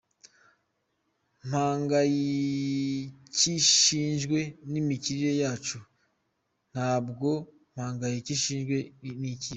Mpangayicyishijwe n'imikinire yacu, ntabwo mpangayicyishijwe n'ikipe.